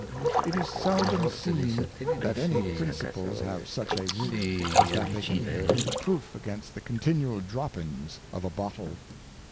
It is seldom seen. That any Principles have such a root, as that they can be proof against the continual droppings of a Bottle.